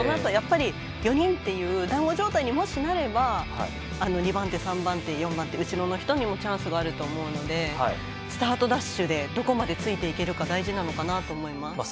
やっぱり４人というだんご状態にもしなれば２番手、３番手、４番手後ろの人にもチャンスがあると思うのでスタートダッシュでどこまでついていけるかそれが大事なのかなと思います。